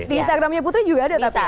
di instagramnya putri juga ada tapi